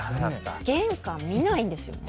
玄関見ないんですよね。